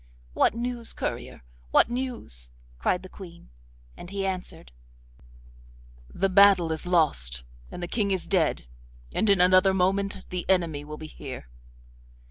'What news, courier? What news?' cried the Queen, and he answered: 'The battle is lost and the King is dead, and in another moment the enemy will be here.